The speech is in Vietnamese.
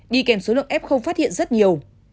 đi kèm số lượng f phát hiện rất nhiều